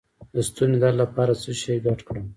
د ستوني درد لپاره څه شی ګډ کړم؟